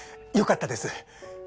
よかったです。